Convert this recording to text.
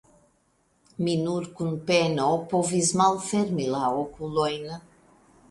Mi nur kun peno povis malfermi la okulojn.